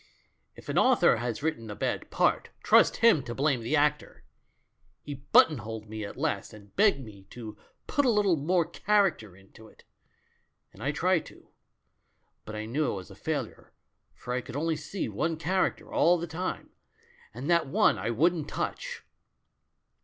If an author has written a bad part, trust him to blame the actor! He button holed me at last, and begged me 'to put a little more character into it.' And I tried to. But I knew it was a failure, for I could only see one charac ter all the time — and that one I wouldn't touch.